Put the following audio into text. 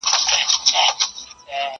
د دنیا له کوره تاته ارمانجن راغلی یمه!.